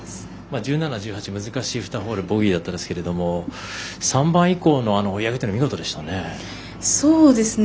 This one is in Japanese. １７、１８、難しい２ホールボギーでしたけど３番以降の追い上げというのは見事でしたね。